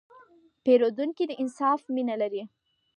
پیرودونکی د انصاف مینه لري.